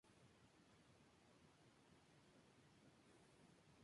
No pienso cargar yo solo con el mochuelo